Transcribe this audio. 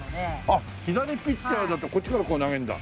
あっ左ピッチャーだとこっちからこう投げるんだ。